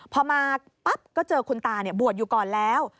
พอมาปั๊บก็เจอคุณตาบวชอยู่ก่อนแล้ว